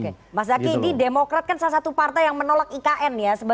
oke mas zaky ini demokrat kan salah satu partai yang menolak ikn ya